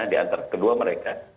di antara kedua mereka